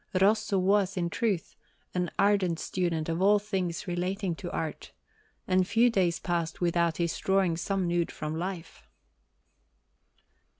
Rosso was, in truth, an ardent student of all things relating to art, and few days passed without his drawing some nude from life.